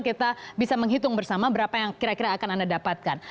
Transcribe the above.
kita bisa menghitung bersama berapa yang kira kira akan anda dapatkan